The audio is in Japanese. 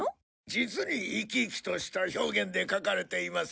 実にいきいきとした表現で書かれています。